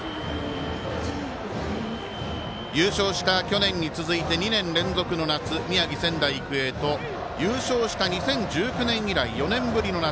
優勝した去年に続いて２年連続の夏宮城、仙台育英高校と優勝した２０１９年以来４年ぶりの夏